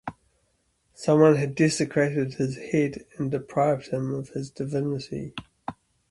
Someone had desecrated his head and deprived him of his divinity.